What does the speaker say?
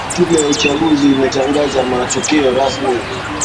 tume ya uchaguzi imetangaza matokeo rasmi